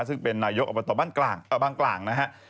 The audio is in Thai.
ซึ่งเป็นนายยกอบัตรบ้านกลาง